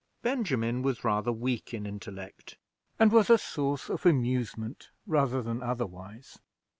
Benjamin was rather weak in intellect, and was a source of amusement rather than otherwise.